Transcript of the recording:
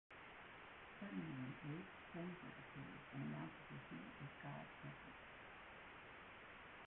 Suddenly, an "aged stranger" appears and announces that he is God's messenger.